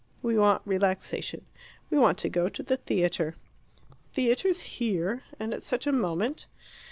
We want relaxation. We want to go to the theatre." "Theatres here? And at such a moment?"